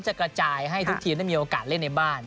จะกระจายให้ทุกทีมได้มีโอกาสเล่นในบ้าน